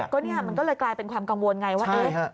ก็เนี่ยมันก็เลยกลายเป็นความกังวลไงว่า